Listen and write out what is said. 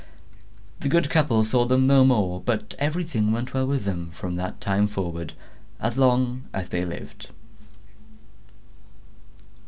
The good couple saw them no more; but everything went well with them from that time forward, as long as they lived.